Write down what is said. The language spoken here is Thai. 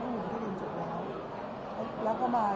พี่คิดว่าเข้างานทุกครั้งอยู่หรือเปล่า